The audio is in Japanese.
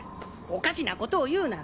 おかしなことを言うな。